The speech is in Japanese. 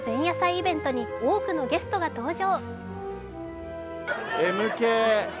イベントに多くのゲストが登場。